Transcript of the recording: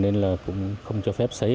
nên là cũng không cho phép sấy